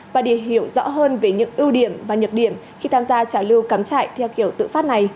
và để hiểu rõ hơn về những ưu điểm và nhược điểm khi tham gia trả lưu cắm trại theo kiểu tự phát này